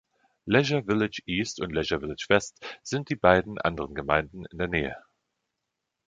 Leisure Village East und Leisure Village West sind die beiden anderen Gemeinden in der Nähe.